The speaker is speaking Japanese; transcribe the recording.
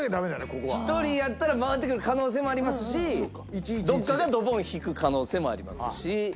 １人やったら回ってくる可能性もありますしどこかがドボンを引く可能性もありますし。